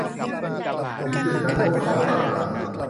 ถึงจุดนั้นพวกเขากลับมา